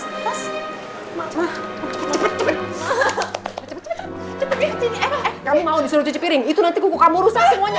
eh eh eh kamu mau disuruh cuci piring itu nanti kuku kamu rusak semuanya